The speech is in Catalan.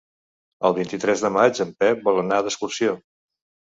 El vint-i-tres de maig en Pep vol anar d'excursió.